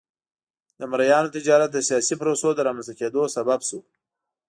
د مریانو تجارت د سیاسي پروسو د رامنځته کېدو سبب شو.